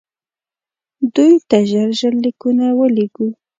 دوی ته ژر ژر لیکونه ولېږو.